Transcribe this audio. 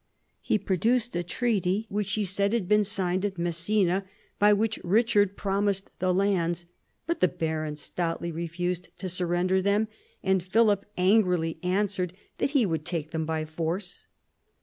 He produced a treaty which he said had been signed at Messina, by which Richard promised the lands ; but the barons stoutly refused to surrender them, and Philip angrily answered that he would take them by force.